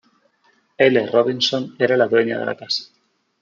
Elle Robinson era la dueña de la casa.